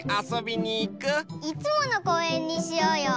いつものこうえんにしようよ！